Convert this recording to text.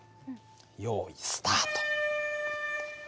よいスタート！